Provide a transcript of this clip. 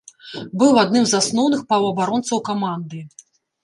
Быў адным з асноўных паўабаронцаў каманды.